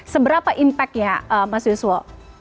seberapa impact nya mas wiswo